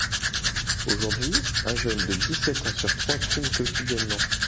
Aujourd’hui, un jeune de dix-sept ans sur trois fume quotidiennement.